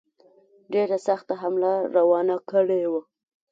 ډېره سخته حمله روانه کړې وه.